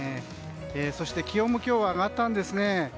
そして、気温も今日は上がったんですね。